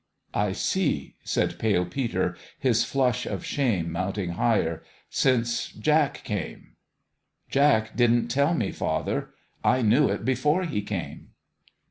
" I see," said Pale Peter, his flush of shame mounting higher. " Since Jack came ?"" Jack didn't tell me, father. I knew it before he came."